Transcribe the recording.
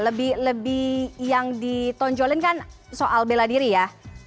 lebih lebih yang ditonjolin kan soal bela diri ya